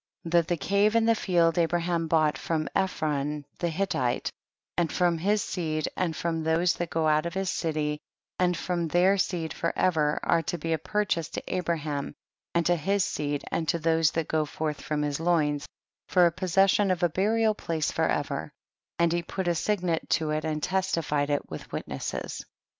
10. That the cave and the field Abraham bought from Ephron the Hittite, and//om his seed, and from those that go out of his city, and from their seed for ever, are to be a a purchase to Abraham and to his seed and to those that go forth from his loins, for a possession of a burial place for ever; and he put a signet to it and testified it ivith witnesses.